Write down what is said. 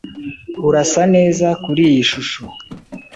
Urasa neza kuriyi shusho.